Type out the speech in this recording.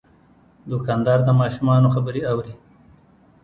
دوکاندار د ماشومانو خبرې اوري.